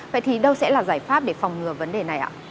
vậy thì đâu sẽ là giải pháp để phòng ngừa vấn đề này ạ